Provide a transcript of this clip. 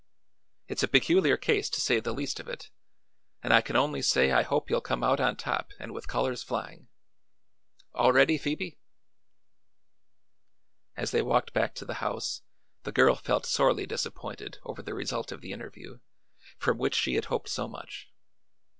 It's a peculiar case, to say the least of it, and I can only say I hope you'll come out on top and with colors flying. All ready, Phoebe?" As they walked back to the house the girl felt sorely disappointed over the result of the interview, from which she had hoped so much.